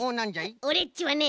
オレっちはね